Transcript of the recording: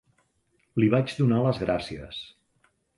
Li vaig donar les gràcies.